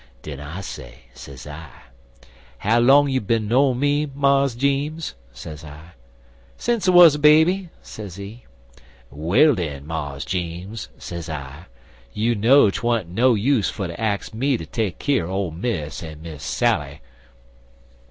"Den I say, sez I: 'How long you bin knowin' me, Mars Jeems?' sez I. "'Sence I wuz a baby,' sezee. "'Well, den, Mars Jeems,' sez I, 'you know'd 'twa'nt no use fer ter ax me ter take keer Ole Miss en Miss Sally.'